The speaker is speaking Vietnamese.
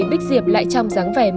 con xin cả ạ